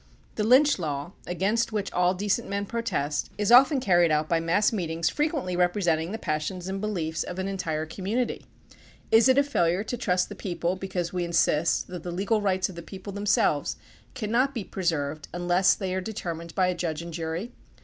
The lynch law, against which all decent men protest, is often carried out by mass meet ings frequently representing the passions and beliefs of an entire community. Is it a failure to tmst the 14 THE PUBLIC OPINION BILL people because we insist that the legal rights of the people themselves cannot be preserved unless they are determined by a judge and jury?